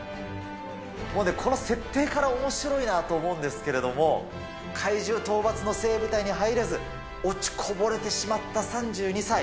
もうね、この設定からおもしろいなと思うんですけれども、怪獣討伐の精鋭部隊に入れず、落ちこぼれてしまった３２歳。